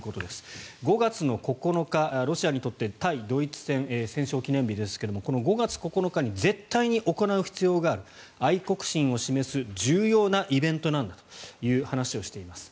５月９日、ロシアにとって対ドイツ戦戦勝記念日ですけれどもこの５月９日に絶対に行う必要がある愛国心を示す重要なイベントなんだという話をしています。